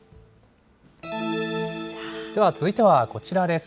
では続いてはこちらです。